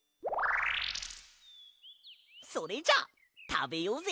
それじゃたべようぜ！